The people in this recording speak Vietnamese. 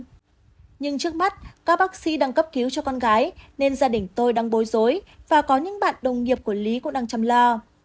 nhưng trước mắt các bác sĩ đang cấp cứu cho con gái nên gia đình tôi đang bối rối và có những bạn đồng nghiệp của lý cũng đang chăm lo